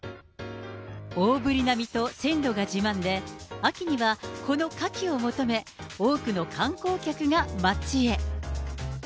大ぶりな身と鮮度が自慢で、秋にはこのカキを求め、多くの観光客が街へ。